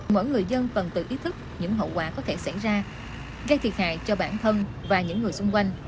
mỗi người dân cần tự ý thức những hậu quả có thể xảy ra gây thiệt hại cho bản thân và những người xung quanh